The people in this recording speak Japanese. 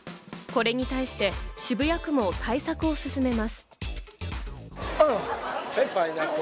これに対して渋谷区も対策を進めます。